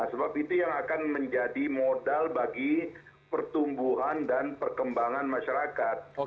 sebab itu yang akan menjadi modal bagi pertumbuhan dan perkembangan masyarakat